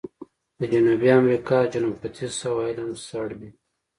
د جنوبي امریکا جنوب ختیځ سواحل هم سړ وي.